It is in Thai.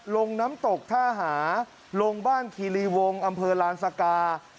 ลงน้ำตกท่าหาลงบ้านคีรีวงอำเภอลานสกา